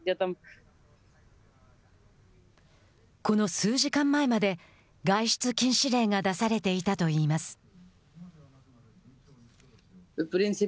この数時間前まで外出禁止令が出されていたといいます。